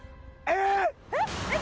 えっ！？